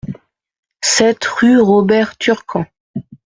sept rue Robert Turquan